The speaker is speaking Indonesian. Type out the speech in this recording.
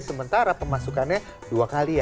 sementara pemasukannya dua kali ya